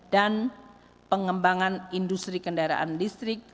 dan pengembangan industri kendaraan listrik